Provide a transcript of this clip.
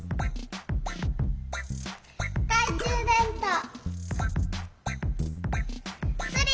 かいちゅうでんとう！